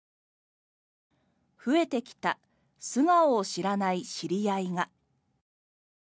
「増えてきた素顔を知らない知り合いが」。